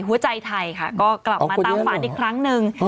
หัวใจไทยค่ะก็กลับมาตามฝันอีกครั้งหนึ่ง